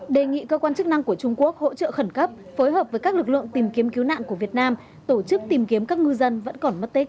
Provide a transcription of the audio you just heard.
đề nghị cơ quan chức năng của trung quốc hỗ trợ khẩn cấp phối hợp với các lực lượng tìm kiếm cứu nạn của việt nam tổ chức tìm kiếm các ngư dân vẫn còn mất tích